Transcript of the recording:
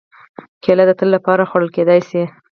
کېله د تل لپاره خوړل کېدای شي.